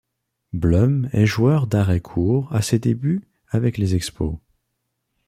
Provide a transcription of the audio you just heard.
Blum est joueur d'arrêt-court à ses débuts avec les Expos.